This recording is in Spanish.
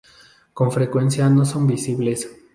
Con frecuencia no son visibles.